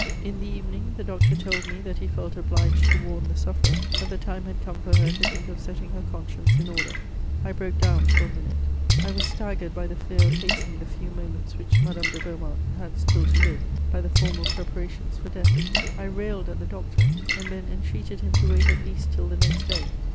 In the evening, the doctor told me that he felt obliged to warn the sufferer that the time had come for her to think of setting her conscience in order: I broke down for a minute; I was staggered by the fear of hastening the few moments which Madame de Beaumont had still to live by the formal preparations for death. I railed at the doctor, and then entreated him to wait at least till the next day.